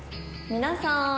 「皆さん！